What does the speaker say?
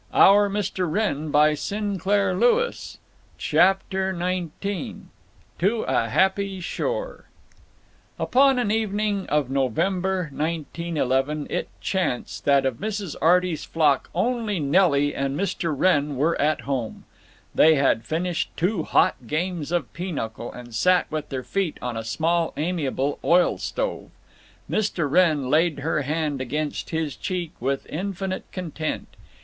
I am glad!" Her door closed. CHAPTER XIX TO A HAPPY SHORE Upon an evening of November, 1911, it chanced that of Mrs. Arty's flock only Nelly and Mr. Wrenn were at home. They had finished two hot games of pinochle, and sat with their feet on a small amiable oil stove. Mr. Wrenn laid her hand against his cheek with infinite content.